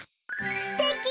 すてき！